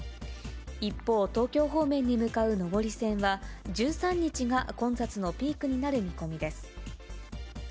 一方、東京方面に向かう上り線は、１３日が混雑のピークになる見込みです。